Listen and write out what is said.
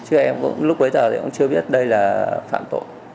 chứ em cũng lúc bấy giờ thì em cũng chưa biết đây là phạm tội